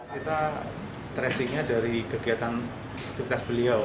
kita tracingnya dari kegiatan tugas beliau